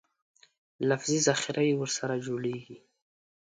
لفظي ذخیره یې ورسره جوړېږي.